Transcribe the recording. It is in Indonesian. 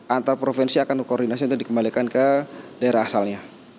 antarprovinsi akan koordinasinya dan dikembalikan ke daerah asalnya